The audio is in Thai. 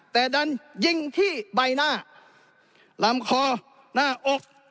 แต่ดันยิงที่ใบหน้าลำคอหน้าอก